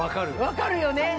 分かるよね。